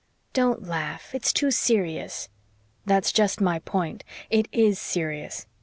"Don't laugh. It's too serious." "That's just my point. It IS serious.